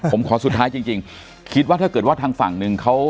ผมขอสุดท้ายจริงคิดว่าถ้าเกิดว่าทางฝั่งหนึ่งเขา